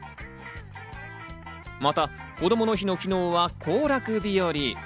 また、こどもの日の昨日は行楽日和。